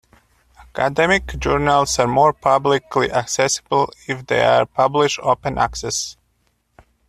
Academic journals are more publicly accessible if they are published open access.